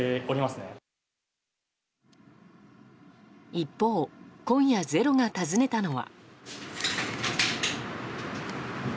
一方、今夜「ｚｅｒｏ」が訪ねたのは。